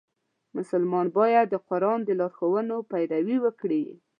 مسلمان باید د قرآن د لارښوونو پیروي وکړي.